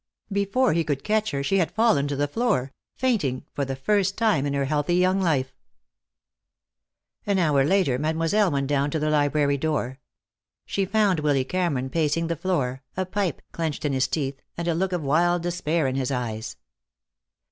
Before he could catch her she had fallen to the floor, fainting for the first time in her healthy young life. An hour later Mademoiselle went down to the library door. She found Willy Cameron pacing the floor, a pipe clenched in his teeth, and a look of wild despair in his eyes.